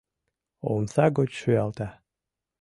Омса гоч шуялта.